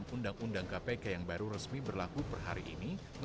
undang undang baru kpk